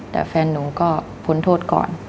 แต่แฟนหนูก็พ้นโทษก่อน